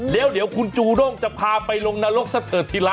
เดี๋ยวคุณจูด้งจะพาไปลงนรกซะเถิดทีละ